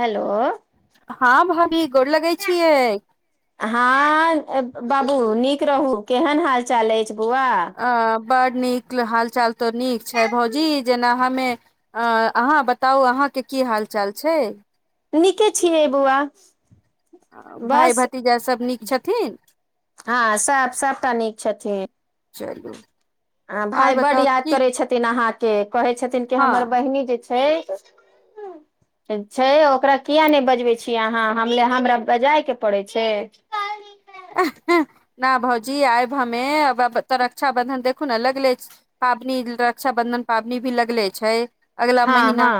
Hello हाँ भाभी गोड़ लगै छियै हँ ए ब बाबू नीक रहू। केहन हाल चाल अछि बौआ? अ बड नीक हाल चाल त नीक छै भौजी जेना हमे अ अहाँ बताउ, अहाँके की हाल चाल छै? नीके छियै बऊआ भाय-भतीजा सब नीक छथिन? हँ सब, सबटा नीक छथिन चलु आ भाय बड्ड याद करै छथिन अहाँके। कहै छथिन कि हँ हमर बहिनी जे छै हँ छै ओकरा किया नहि बजबै छियै अहाँ। हम हमरा बजैय के पड़ै छै ऐ अ न भौजी आयब हमे। अब अ तऽ रक्षा बंधन देख देखु न लगले छ पाबनी रक्षा बंधन पाबनी भी लगले छै एगला हँ महीना हँ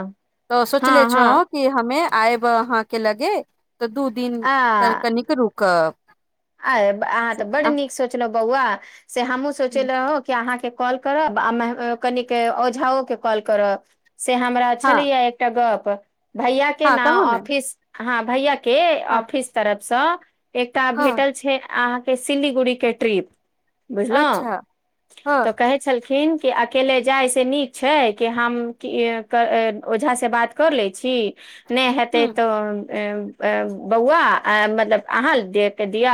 तऽ हँ सोचले हँ छौहक कि हमे आयब अहाँ के लगे तऽ दू दिन त कनि रुकब आयब, अहाँ तऽ बड नीक सोचलहुं बौआ से हमहूँ सोचल लहौ कि अहाँके कॉल करब आ मे ए कनिक औझाओ के कॉल करब से हमरा हँ छलैया एकटा गप। भैया के हँ ना कहू ने ऑफिस, हँ भैया के के हँ ऑफिस तरफ स एकटा भेट हँ छै अहाँके सिलीगुड़ी के ट्रिप, बुझलों। अच्छा हँ तऽ ह कहै छलखिन कि अकेले जाय से नीक छै कि हम कि कर अ ओझा से बात कर ले छी नै हेते तो ऐं ऐं बौआ आहाँ मतलब अहाँ दे के दिय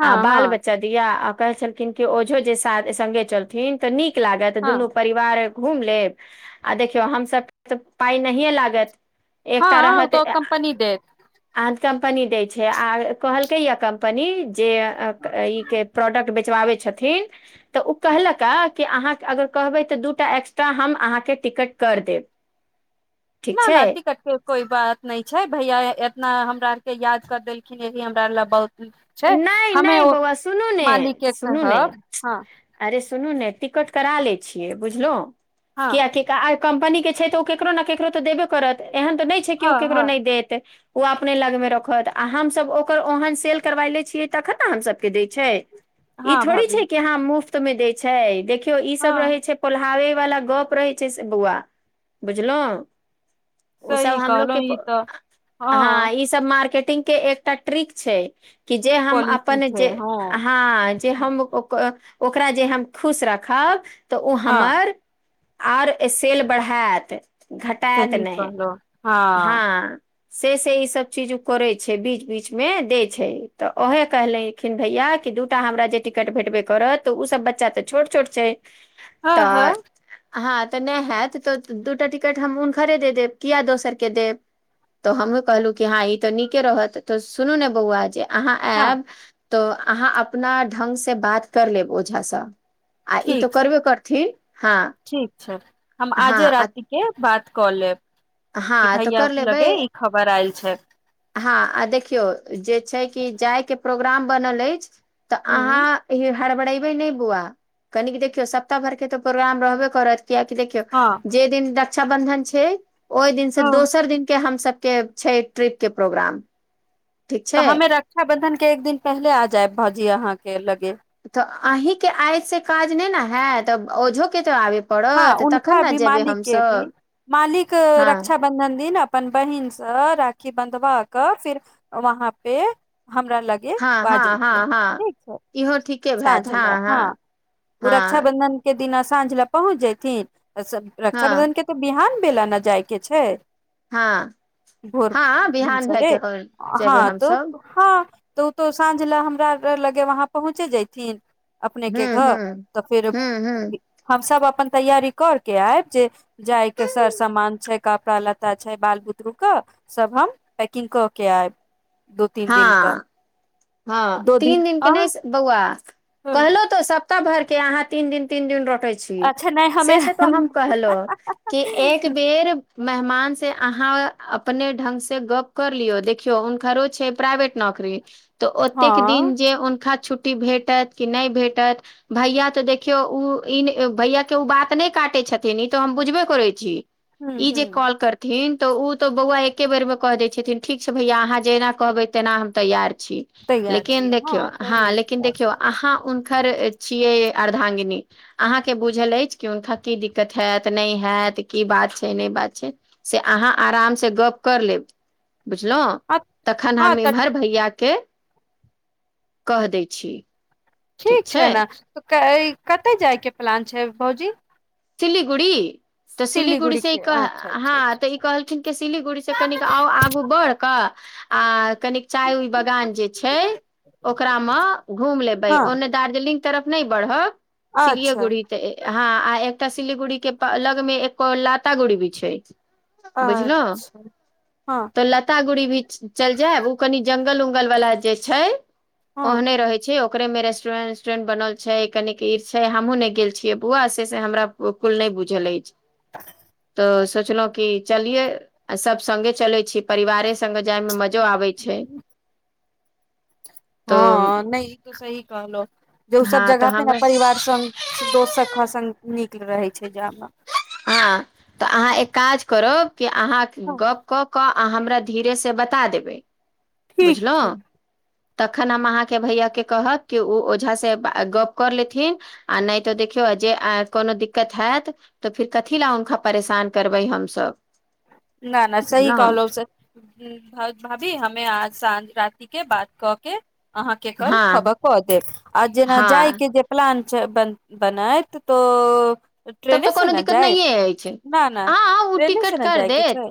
हँ आ बाल हँ बच्चा दिया आ कहै छलखिन कि ओझो जे साद संगे चल थिन तऽ नीक लागत हँ दुनू परि घूम लेब आ देखियौ हमस तऽ पाइ नहिए लागत। एकत हँ ओ रहत तऽ कम्पनी देत आद कंपनी दै छै आ कहलकै या कंपनी जे अ अ कई के प्रोडक्ट बेचबाबै छथिन तऽ ऊ कहलक कि अहाँ के अगर कहबै तऽ दूटा एक्स्ट्रा हम अहाँके टिकट कर देब [inaudible] न न टीकट के कोई बात नय छै भैया एतना हमरा आर के याद कर देलखिन यही हमरा ले बहुत छै नहि हमे नहि ओ बौआ सुनू ने मालिक के सुनू ने कहब हँ। अरे सुनू ने टिकट करा लै छियै बुझलों हँ कयाकि त आई कम्पनी के छै तऽ ओ केकरो ने केकरो तऽ देबे करत एहन तऽ नय छै कि ओ हँ केकरो हँ नय देत। ओ अपने लग मे रखत आ हमस ओकर ओहन सेल्फ करबाय लै छियै तखन न हम सभके दै छै ई हँ थोड़ी भाभी छै कि हँ मुफ्त मे दै छै देखियौ ई सब रहै हँ छै पोलहाबे वाला गप रहै छै से बौआ बुझलों ओ सब सही हमलोग के कहलहु ई प तऽ हँ ई सब मार्केटिंग के एक टा ट्रिक छै की जे हम पॉलिसी अपन छै जे आ हँ हाँ जे हम ओकरा जे हम खुश राखब तऽ ओ हँ हमर आर ए सेल बढ़ायत घटात सही नै कहलहु हँ। से से ई सब चीज उ करै छै बीच बीच मे देै छै। तऽ ओहे कहलखिन भैया कि दूटा हमरा जे टिकट भेटबे करत तऽ उ सब बच्चा तऽ छोट छोट छै। हँ हँ तऽ हँ तऽ नय हाएत तऽ दूटा टिकट हम ऊनखरे द देब किया दोसरके देब। तऽ हमहुँ कहलु कि हँ ई त नीके रहत त सुनू ने बौआ जाएब अहाँ हँ आयब तऽ अहाँ अपना ढंग से बात कर लेब ओझास। आ ई तऽ ठीक छै करबे करथिन हँ। ठीक छै हम आजे हँ राति के बात कऽ लेब। कि हँ तऽ भैय कर के लगे लेबै ई खबर आएल छै हँ आ देखियौ जे छै कि जायके प्रोग्राम बनल अछि तऽ हूँ अहाँ एहि हाड़बड़ैबे नै बौआ कनिक देखियौ सप्ताह भर के त प्रोग्राम रहबे करत कियाकि देखियौ हँ जे दिन रक्षाबन्धन छै ओहि दिनसँ हँ दोसर दिनके हम सभके छै ट्रिप के प्रोग्राम ठीक तऽ छै हमे रक्षाबंधन के एक दिन पहिले आ जायब भाजी अहाँकेँ लगे तऽ अही केँ आइ से काज नहि ने है तऽ ओझोके तो आबे हँ पड़त तखन उनका ने भी जेबै मालिक के भी हमसभ मालिक हँ रक्षा बंधन दिन अपन बहिनसँ राखी बन्धवा क फिर वहाँ पे हमरा लगे हँ हँ हँ बाजैथिन हँ ठीक छै इहो ठीके भैत साँझ हँ लए हँ ह। ओ हँ रक्षाबंधन के दिना साँझ लए पहुँच जयथिन हँ रक्षाबंधने तऽ बिहान भेलेला ने जाय के छै। हँ भोर हँ भिनस बिहान भए रे के हँ जेबै त। हमसभ हँ तऽ ओ तो साँझ लए हमरा लगे वहाँ पहुँचे जथिन अपने हूँ के घर हूँ तऽ फेर हूँ हूँ हमस अपन तैयारी करके आब ज जाय के सर सामान छै कपड़ा लत्ता छै बाल बुतरू कऽ सभ हम पैकिग क के आएब। ह ह दो तीन दिन आ के नहि बौआ हम्म, कहलो सप्ताह भर के अहाँ तीन दिन तीन दिन रोटे से अच्छा नहि हमे तऽ हम कहल कि एक बेर मेहमान से अहा अपने ढंग से गप कर लियो देखियो हुनकरो छै प्राइवेट नौकरी त ओतेक दिन हँ जे हुनका छुट्टी भेटत कि नहि भेटत भैया तऽ देखियौ ओ ई भैया के ओ बात नहि काटे छथिन ई त हम बुझबे करै छी ह ई ह जे कॉल करत। थिन तऽ ओ त बौआ एके बेर मे क दै छथिन, ठीक छै भैया अहां जे एना कहबै तना हम तैय छी तैयार लेकिन छियै देखियौ हँ ह सही ल देखौ अहाँ। खर छियै अर्धांगिन अहाँकेँ बुझल अछि कि हुनका की दिकत हैत नहि हैत की बात छै नहि बात छै। से अहाँ अराम से गप कर लेब बुझलहूँ तखन हँ हम तऽ एमहर भैया के कह दै छी ठीक छै ने तऽ काल्हि कतय जाइके पलान छै भाउजी। सिलीगुड़ी। त सिलीगुड़ी सिलीगुड़ीसं ई के कह अच्छा हा अच्छा अच्छा त ई कहलखिन कि सिलीगुड़ीसं कनिक और आगु बढ़ कऽ आ कनिक चाय उइ बगान जे छै ओकरा मे घुमि लेबै, हँ ओने। दार्जिलिंग तरफ नै बढ़व, अच्छा सिलीगुड़िये से, हा आ एकटा। एकटा सिलीगुड़ी के लग मे एक और लातागुड़ी भी छै। बुझलहूँ, अच्छा हँ त लातागुड़ी भी चल जायब ओ कनि जंगल उंगल वाला जे छै, हँ ओहने रहै छै। छै, ओकरे में रेस्टोरेट वेस्टोरेंट बनल छै कनि इ छै, हमहु नै गेल छियै बौना, से से हमरा बिल्कूल नै बुझल अछि। त सोचलहूँ कि चलियै, सभ संगे चलै छी परिवारे संगे जाय मे मजा मजा आबै छै। तऽ हा, नहि इ तो सही कहलह, जे ओ सभ हँ तऽ जगह अपन हमरा परिवार संग से दोस सखा संग नीक रहै छै। जाय मे। हा, त अहाँ एक काज करब कि अहा हँ गप कऽ के आ हमरा धीरे से बता देबै, ठीक छै बुझलहूँ तखन हम अहाँकेँ भैयाके कहब कि ओ ओझासे गप क लेथिन आ नहि तऽ देखियौ जे कोनो दिकत हयत त फिर कथी लए हुनका परेशान करबै हमसभ। न न सही बुझलहुँ कहलौं से। भाव भाभी हमे आज सांझ राति के बात क के अहांके कल हँ खबर क देब, आ जेना हँ जायके जे पलान च बन बनैत तो तब ट्रेने त से कोनो ने दिकत जायब नहिये एछै। न न आ हाँ उ ट्रेने से टिकट क ने कर जायके देत, छै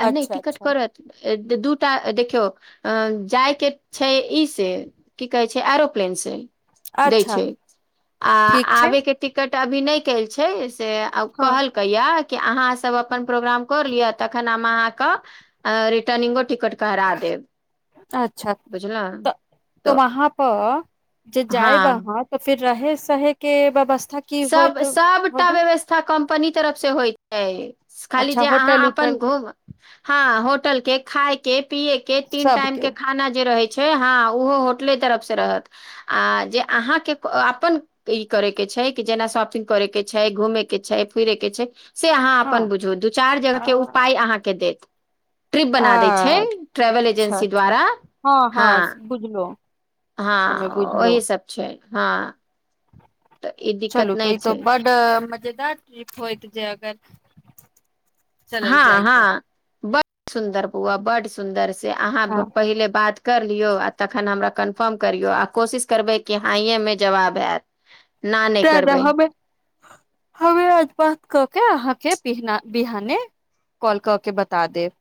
आ नय अच्छा टिकट अच्छा करत दु दुटा देखियौ, अ जाइ के छै इ से की कहै छै आरो प्लेन से दै अच्छा छै आ ठीक छै आबै के टिकट अभी नय कल्ह छै से आ हँ कहल हैया कि अहांसब अपन प्रोग्राम कर लिअ तखन हम अहांक आ रिटर्निगो टिकट अच्छा बुझलहु त त तऽ वहां प जे जायब हँ आहां त फेर रहै सहै के व्यवस्था की सब होयत सबटा होगी व्यवस्था कंपनी तरफ से होइ यैस खाली अच्छा जे अहां होटल अपन उटल घोघ हां, होटल के, खाय के, पियै के, तीन टाइम सबके के खाना जे रहै छै हां उहो होटले तरफ से रहत। आ जे अहांके क अपन इ करैके छै जेना शॉपिंग करै के छै, घुमे के छै फिरे के छै से अहां अपन हँ बुझु, दू चारि जगह आ के उ पाई अहांके देत। ट्रिप आ बना दै छै ट्रेवल च्छा एजेंसी अच्छा द्वारा हां हां से बुझलो हमे हां बुझलो ओहि सब छै हां चलु कइतौ छै बड मजेदार ट्रीप होयत जे अगर चलल हँ जाय तऽ हँ बड सुन्दर बौआ बड सुन्दर से अहाँ हँ पहिले बात कर लियौ आ तखन हमरा कन्फर्म करियौ आ कोशिश करबै कि हँ यें मे जवाब आएत तें रहबै [inaudible] हमरा बात क के अहांके पिहना बिहाने कॉल कऽ के बता देब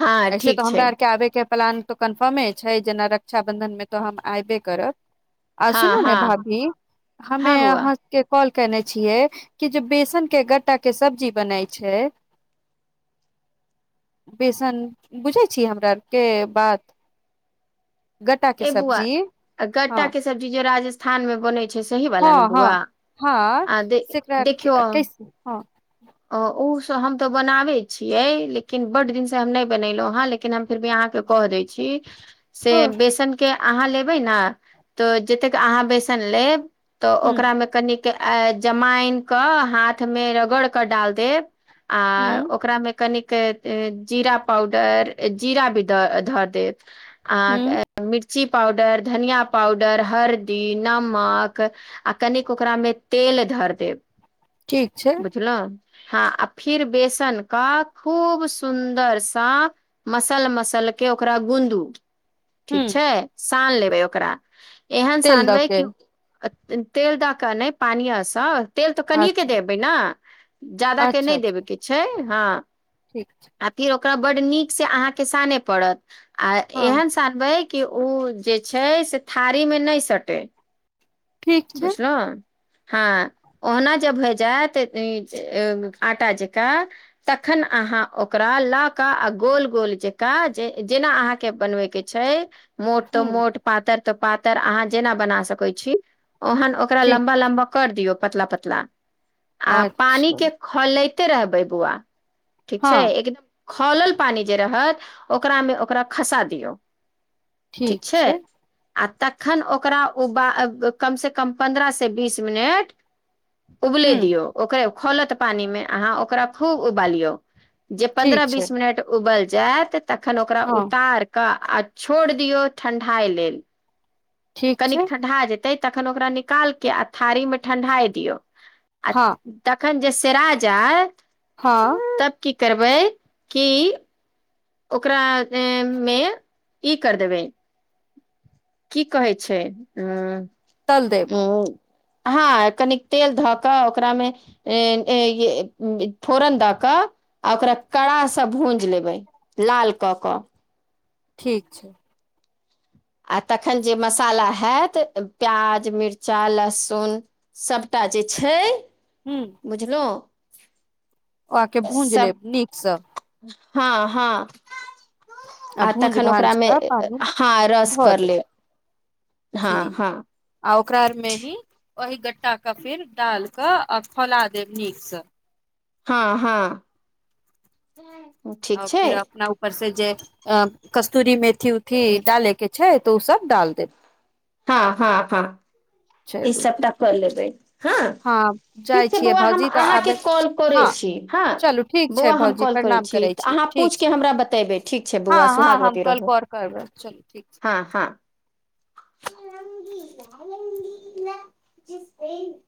हँ ऐसे ठीक तऽ छै हमरा आरके आबे के प्लान तो कन्फर्मे छै जेना रक्षा बंधन मे तो हम आऐबे करब आ हँ सुनू ने हँ भाभी हमे हँ बौआ हाँ के कॉल कैने छियै कि जे बेसन के गट्टा के सब्जी बनई छै [inaudible] बेसन बुझै छीयै हमरा आरके बात गट्टाके ए बौआ सब्जी हँ गट्टा के सब्जी राजस्थान मे बनै सही वाला ने हँ हँ बौआ हँ आ देख सेकरा के- देखियौ कैसे हाँ अ उ सब हम तऽ बनाबै छियै लेकिन बड दिन से हम नय बनेलहुं हेँ लेकिन किन हम फिर भी अहाँके कह दै छी से हँ बेसनके अहाँ लेबै न तऽ जतेक अहाँ बेसन लेब तऽ ह ओकरामे कनिक जमाइन कऽ हाथमे रगड़ कऽ डाल देब आ ह ओकरामे कनिक जीरा पाउडर जीरा भी द धऽ देब ह आहाँके मिर्ची पाउडर धनिया पाउडर हरदी नमक आ कनिक ओकरामे तेल धर देब ठीक छै बुझलौ हँ आ फिर बेसन कऽ खूब सुन्दरसँ मसल मसल के ओकरा गूंदू ह ठीक छै सान लेबै ओकरा एहन तेल दऽ सानबै के कि तेल दऽ कऽ नहि पानियसँ तेल तऽ कनियैके अच्छा देबै न जादाके अच्छा नहि अच्छा देबयके छै हँ ठीक छै आ फिर ओकरा बड्ड नीक से अहाँके साने पड़त आ हँ एहन सान बै कि ओ जे छै से थारी मे नय सटे ठीक छै बुछलौं हँ ओहुना जे भय जायत ई जे आँटा जेका तखन अहाँ ओकरा ला के आ गोल गोल जेका जे जेना अहाँ के बनवे के छै मोट ह तऽ मोट पातर तऽ पातर अहाँ जेना बना सकै छी ओहन ओक करा ठीक लम्बा लम्बा कर दियौ पतला पतला आ पानी अच्छा के खलैते रहबै बौआ ठीक छै हँ एकदम खौलल पानी जे रहत ओकरामे ओकरा खसा दियौ ठीक छै आ तखन ओकरा ओ बा अ कमसँ कम पन्द्रह से बीस मिनट उबले ह दियौ ओकरे खौलत पानिमे अहाँ ओकरा खूब उबालियौ जे ठीक पन्द्रह छै बीस मिनट उबल जैत तखन ओकरा हँ उतार कऽ आ छोड़ दियौ ठंढाइ लेल ठीक कनिक छै ठंढा जेतै तखन ओकरा निकालके आ थारी मे ठंढाइ दियौ आ हँ तखन जे सेरा जाय हँ तब की करबै की ओकरा मे ई कर देबै की कहै छै ऐं तल देब उंम्म हँ कनिक तेल धऽ कऽ ओकरामे ऐं एय फोरन दऽ कऽ आ ओकरा कड़ासँ भूंज लेबै। लाल कऽ कऽ ठीक छै आ तखन जे मसाला हैत प्याज मिरचा लहसुन सभटा जे छै हूँ बुझलौं ओ आके भूंज लेब नीकसँ हँ हँ आ भूज तखन भाज ओकरामे कऽ पानि हँ रस धऽ कर देब ले हँ ठीक हँ आ ओकरा आर मेही ओही गट्टाके फिर डाल कऽ आ खौला देब नीकसँ हँ हँ आ ठीक छै फिर अपना ऊपर से जे अ कस्तूरी मेथी उथी डाले के छै तऽ उ सब डाल देब हँ हँ हँ ई चलू सबटा कऽ लेबै हँ हँ जाइ ठीक छै छियै बौआ हम भौजी तऽ अहाँके आबे कॉल करै हँ छी हँ चलू ठीक छै बौआ हम भौजी कॉल करै प्रणाम छी छियै अहाँ ठीक पूछि छै कऽ हमरा बतेबै ठीक छै हँ बौआ हँ हम सुहागवती कल रहू कॉल करबै चलू ठीक हँ हँ [unintelligible]